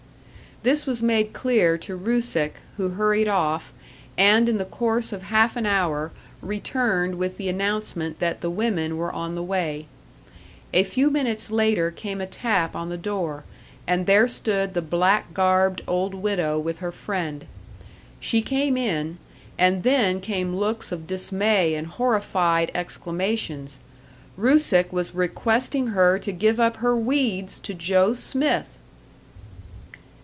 This was made clear to Rusick, who hurried off, and in the course of half an hour returned with the announcement that the women were on the way. A few minutes later came a tap on the door, and there stood the black garbed old widow with her friend. She came in; and then came looks of dismay and horrified exclamations. Rusick was requesting her to give up her weeds to Joe Smith!